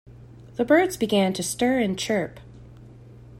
The birds began to stir and chirp.